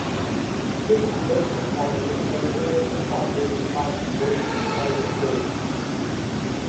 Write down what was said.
Switch-mode supplies replaced linear supplies due to cost, weight, and size improvement.